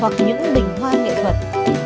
hoặc những bình hoa nghệ thuật